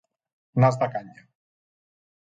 Nas de canya.